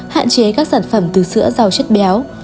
hạn chế các sản phẩm từ sữa giàu chất béo